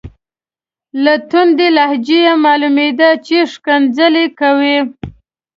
له توندې لهجې یې معلومیده چې ښکنځلې کوي.